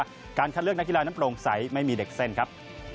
การคัดเลือกนักกีฬานั้นโปร่งใสไม่มีเด็กเส้นครับ